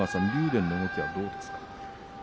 電の動きはどうですか？